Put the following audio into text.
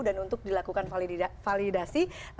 dan untuk dilakukan validasi